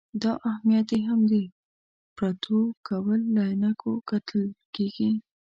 دا اهمیت یې هم د پروتوکول له عینکو کتل کېږي.